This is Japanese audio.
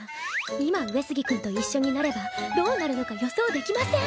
今上杉君と一緒になればどうなるのか予想できません